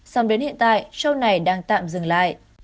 xong đến hiện tại show này đang tạm dừng lại